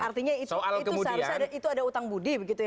artinya itu seharusnya itu ada utang budi begitu ya